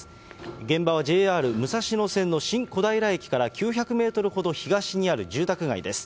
現場はＪＲ武蔵野線の新小平駅から９００メートルほど東にある住宅街です。